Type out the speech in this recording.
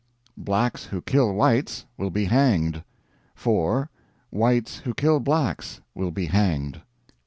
Blacks who kill Whites will be hanged; 4. Whites who kill Blacks will be hanged.